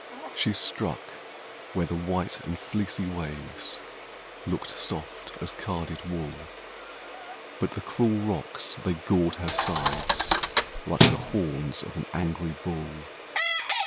She struck where the white and fleecy waves Look'd soft as carded wool, But the cruel rocks, they gored her sides Like the horns of an angry bull.